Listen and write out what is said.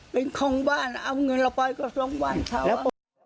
เป็นคลองบ้านเอาเงินเราไปก็คลองบ้าน